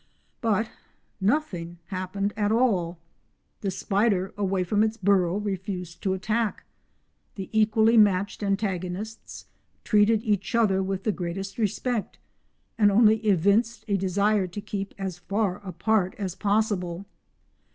But nothing happened at all. The spider, away from its burrow, refused to attack. The equally matched antagonists treated each other with the greatest respect and only evinced a desire to keep as far apart as possible.